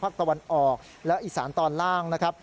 ตะวันออกแล้วอีสานตอนล่างนะครับ